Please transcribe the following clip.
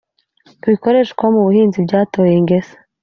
bikoreshwa mu buhinzi byatoye ingese